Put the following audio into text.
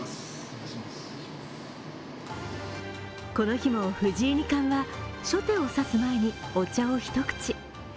この日も藤井二冠は初手を指す前にお茶を一口。